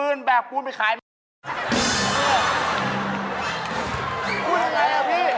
เอาคำง่ายพูดหน่อย